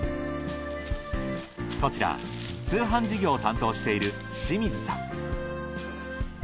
こちら通販事業を担当している清水さん。